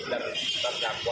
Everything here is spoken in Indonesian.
kita bisa membuatnya tersebut